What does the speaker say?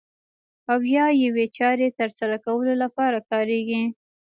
او یا یوې چارې ترسره کولو لپاره کاریږي.